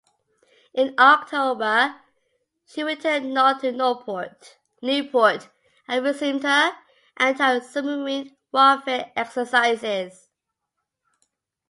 In October, she returned north to Newport and resumed her antisubmarine warfare exercises.